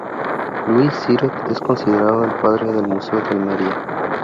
Luis Siret es considerado el padre del Museo de Almería.